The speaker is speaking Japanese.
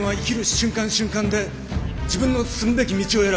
瞬間で自分の進むべき道を選ぶ。